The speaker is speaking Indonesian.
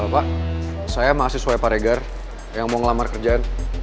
pak saya mahasiswa pak regar yang mau ngelamar kerjaan